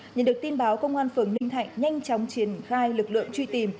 nhận được tin báo công an phường ninh thạnh nhanh chóng triển khai lực lượng truy tìm